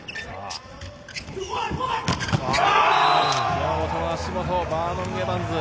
山本の足元バーノン・エバンズ。